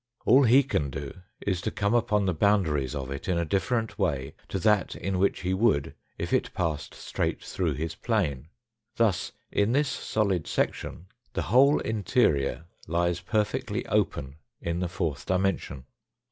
All he can do is to come upon the boundaries of it in a different way to that in which he would if it passed straight through his plane. Thus in this solid section ; the whole interior lies per fectly open in the fourth dimension.